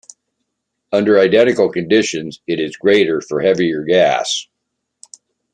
Under identical conditions, it is greater for heavier gas.